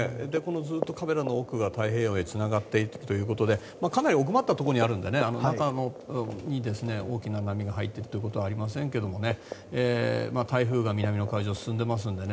ずっとカメラの向こうが太平洋につながっていくということでかなり奥まったところにあるので中に大きな波が入っていくことはありませんが台風が南の海上を進んでいますのでね